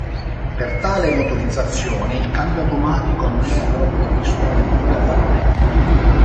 Per tale motorizzazione, il cambio automatico non era però previsto neppure a pagamento.